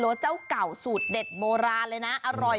ส่วนเมนูที่ว่าคืออะไรติดตามในช่วงตลอดกิน